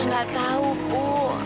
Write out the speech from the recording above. ya gak tau bu